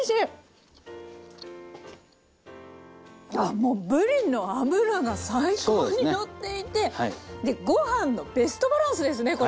もうぶりの脂が最高にのっていてご飯のベストバランスですねこれ。